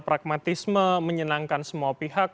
pragmatisme menyenangkan semua pihak